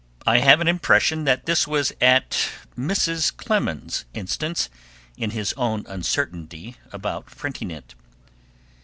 I have an impression that this was at Mrs. Clemens's instance in his own uncertainty about printing it.